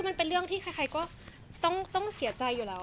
มันเป็นเรื่องที่ใครก็ต้องเสียใจอยู่แล้ว